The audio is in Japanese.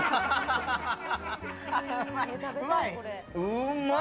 うんまい！